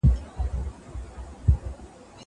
دا موسيقي له هغه خوږه ده.